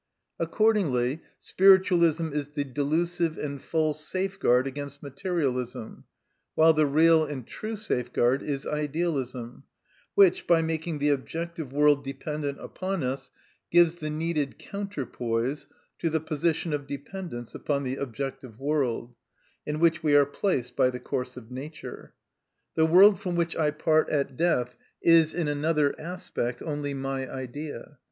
Accordingly spiritualism is the delusive and false safeguard against materialism, while the real and true safeguard is idealism, which, by making the objective world dependent upon us, gives the needed counterpoise to the position of dependence upon the objective world, in which we are placed by the course of nature. The world from which I part at death is, in another aspect, only my idea.